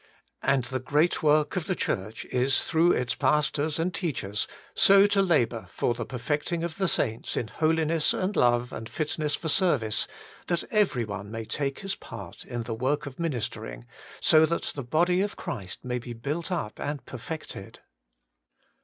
And the great work of the Church is, through its pastors and teachers, so to labour for the perfecting of the sai)its in holiness and love and fitness for service, that every one may take his part in the zvork of ministering, that so, the body of Christ may be built up and perfected.